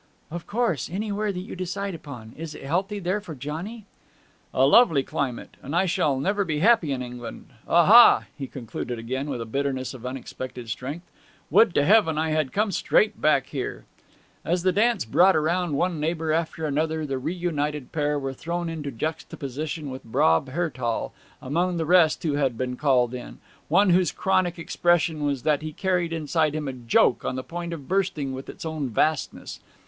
'Of course, anywhere that you decide upon. Is it healthy there for Johnny?' 'A lovely climate. And I shall never be happy in England ... Aha!' he concluded again, with a bitterness of unexpected strength, 'would to Heaven I had come straight back here!' As the dance brought round one neighbour after another the re united pair were thrown into juxtaposition with Bob Heartall among the rest who had been called in; one whose chronic expression was that he carried inside him a joke on the point of bursting with its own vastness.